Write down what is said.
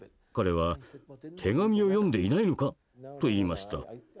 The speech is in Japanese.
彼は「手紙を読んでいないのか？」と言いました。